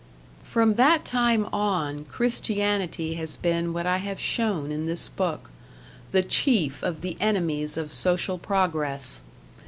From that time on Christianity has been what I have shown in this book, the chief of the enemies of social progress.